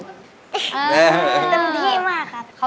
เต็มที่มากครับ